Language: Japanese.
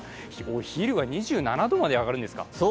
お昼が２７度まで上がるんですか。